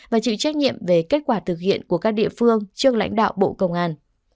và chịu trách nhiệm về kết quả thực hiện của các địa phương trước lãnh đạo bộ công an